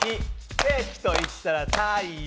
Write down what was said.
ケーキといったら太陽。